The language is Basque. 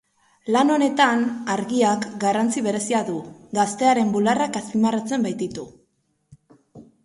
Lan honetan argiak garrantzi berezia du, gaztearen bularrak azpimarratzen baititu.